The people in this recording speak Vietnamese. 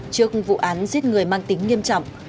trước vụ án giết người mang tính nghiêm trọng